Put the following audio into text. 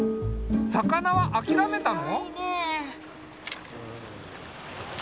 魚は諦めたの？